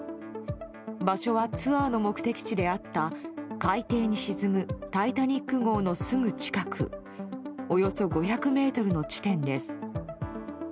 場所はツアーの目的地であった海底に沈む「タイタニック号」のすぐ近くおよそ５００ｍの地点です。